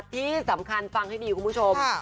ที่สำคัญฟังให้ดีคุณผู้ชม